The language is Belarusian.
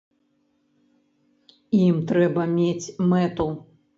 Ім трэба мець мэту.